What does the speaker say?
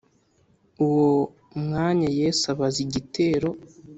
Uwo mwanya Yesu abaza igitero